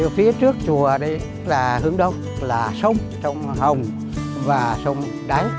phía trước chùa đây là hướng đông là sông hồng và sông đáy